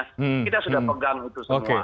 kita sudah pegang itu semua